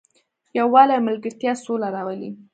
یووالی او ملګرتیا سوله راولي.